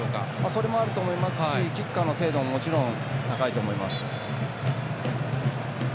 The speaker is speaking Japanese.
それもあると思いますしキッカーの精度も高いと思います。